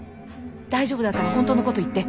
大丈夫だから本当のこと言って。